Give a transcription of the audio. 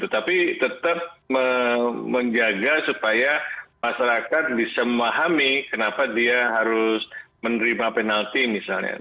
tapi tetap menjaga supaya masyarakat bisa memahami kenapa dia harus menerima penalti misalnya